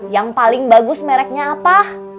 yang paling bagus mereknya apa